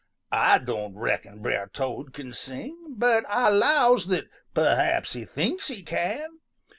Ah don' reckon Brer Toad can sing, but Ah 'lows that perhaps he thinks he can.